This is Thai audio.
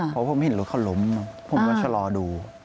เพราะผมเห็นรถเขาล้มผมก็ชะลอดู